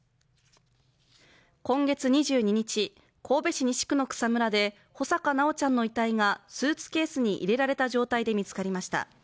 今月２２日神戸市西区の草むらで穂坂修ちゃんの遺体がスーツケースに入れられた状態で見つかりました。